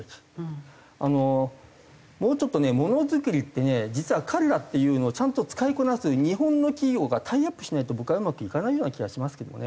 あのもうちょっとねものづくりってね実は彼らっていうのをちゃんと使いこなす日本の企業がタイアップしないと僕はうまくいかないような気がしますけどもね。